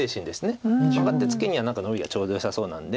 マガってツケにはノビがちょうどよさそうなんで。